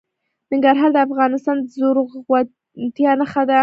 ننګرهار د افغانستان د زرغونتیا نښه ده.